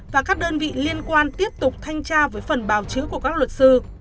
và các đơn vị liên quan tiếp tục thanh tra với phần bào chữa của các luật sư